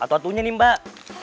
atuh atuhnya nih mbak